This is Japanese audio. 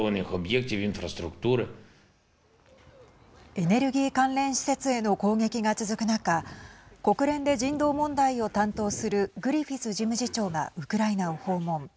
エネルギー関連施設への攻撃が続く中国連で人道問題を担当するグリフィス事務次長がウクライナを訪問。